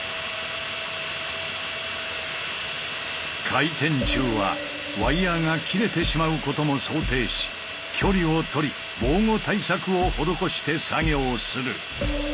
回転中はワイヤーが切れてしまうことも想定し距離を取り防護対策を施して作業する。